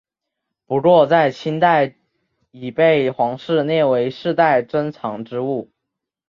不过在清代已被皇室列为世代珍藏之物。